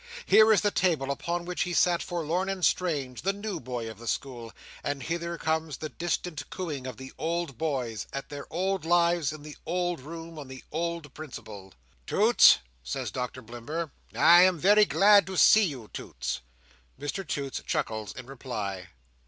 Here is the table upon which he sat forlorn and strange, the "new boy" of the school; and hither comes the distant cooing of the old boys, at their old lives in the old room on the old principle! "Toots," says Doctor Blimber, "I am very glad to see you, Toots." Mr Toots chuckles in reply.